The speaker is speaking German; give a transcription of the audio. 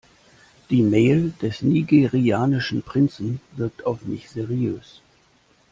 Die Mail des nigerianischen Prinzen wirkt auf mich seriös.